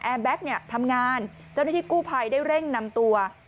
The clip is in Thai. แบ็คเนี่ยทำงานเจ้าหน้าที่กู้ภัยได้เร่งนำตัว